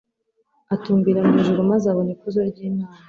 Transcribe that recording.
atumbira mu ijuru maze abona ikuzo ry'Imana,